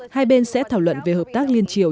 hai bên sẽ thảo luận về hợp tác liên triều